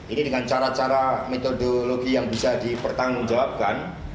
ini dengan cara cara metodologi yang bisa dipertanggungjawabkan